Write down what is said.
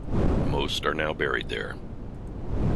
Most are now buried there.